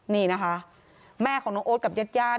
นี่นะคะแม่ของน้องโอ๊ตกับญาติญาติ